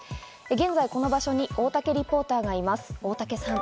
現在この場所に大竹リポーターがいます、大竹さん。